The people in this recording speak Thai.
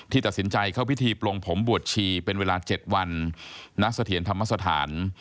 ตัดสินใจเข้าพิธีปลงผมบวชชีเป็นเวลา๗วันณเสถียรธรรมสถาน